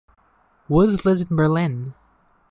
Woods lives in Berlin.